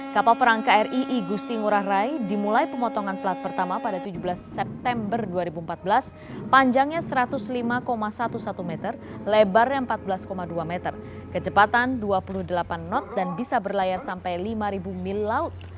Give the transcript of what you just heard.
kapal perang kri igusti ngurah rai dimulai pemotongan plat pertama pada tujuh belas september dua ribu empat belas panjangnya satu ratus lima sebelas meter lebarnya empat belas dua meter kecepatan dua puluh delapan knot dan bisa berlayar sampai lima mil laut